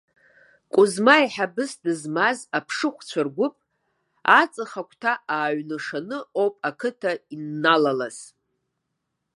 Кузма еиҳабыс дызмаз аԥшыхәцәа ргәыԥ, аҵх агәҭа ааҩнашоны ауп ақыҭа ианналалаз.